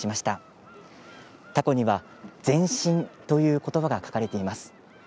たこには「前進」という言葉が書かれています。